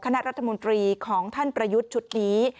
คณะรัฐมนตรีของท่านประยุทธ์ชุดนี้